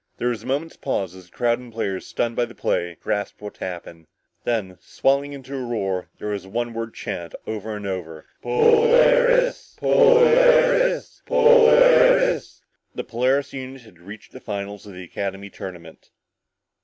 There was a moment's pause as the crowd and the players, stunned by the play, grasped what had happened. Then swelling into a roar, there was one word chanted over and over "Polaris Polaris Polaris...." The Polaris unit had reached the finals of the Academy tournament.